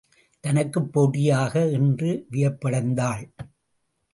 தனக்குப் போட்டியாக என்று வியப்படைந்தாள்.